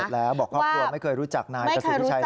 แล้วบอกครอบครัวไม่เคยรู้จักนายประสิทธิชัย